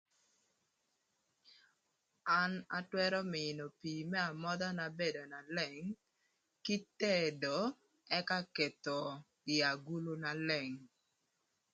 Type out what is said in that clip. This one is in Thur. An atwërö mïïnö pii më amodhana bedo na leng kï tedo ëka ketho ï agulu na leng.